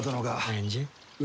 何じゃい？